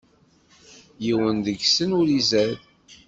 Yiwen deg-sen ur izad.